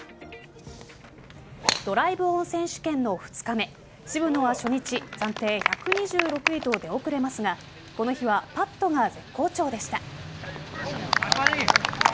ドライブオン選手権の２日目渋野は初日暫定１２６位と出遅れますがこの日はパットが絶好調でした。